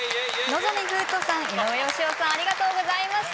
望海風斗さん井上芳雄さんありがとうございました。